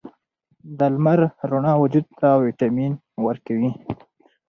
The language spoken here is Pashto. د لمر رڼا وجود ته ویټامین ورکوي.